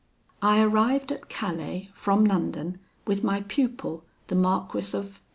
I arrived at Calais, from London, with my pupil, the Marquis of